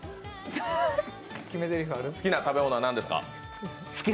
好きな食べ物は何ですか？